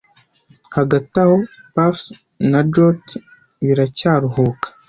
Hagati aho puffs na jolts biracyaruhuka